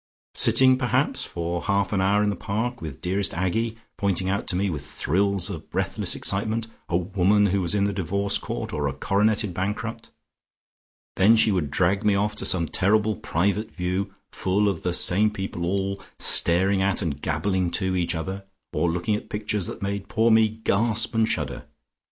"Sitting perhaps for half an hour in the Park, with dearest Aggie pointing out to me, with thrills of breathless excitement, a woman who was in the divorce court, or a coroneted bankrupt. Then she would drag me off to some terrible private view full of the same people all staring at and gabbling to each other, or looking at pictures that made poor me gasp and shudder.